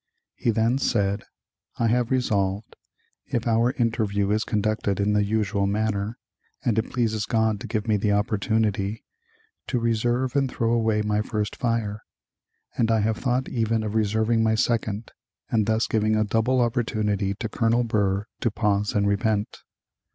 He then said: "I have resolved, if our interview is conducted in the usual manner, and it pleases God to give me the opportunity, to reserve and throw away my first fire; and I have thought even of reserving my second, and thus giving a double opportunity to Colonel Burr to pause and repent."